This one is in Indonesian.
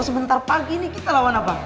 sebentar pagi ini kita lawan apa